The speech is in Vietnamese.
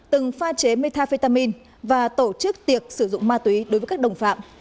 từng pha chế metafetamin và tổ chức tiệc sử dụng ma túy đối với các đồng phạm